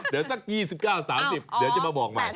เดี๋ยวสัก๒๙๓๐แต่จะมาบอกใหม่